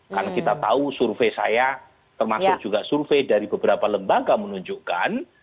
karena kita tahu survei saya termasuk juga survei dari beberapa lembaga menunjukkan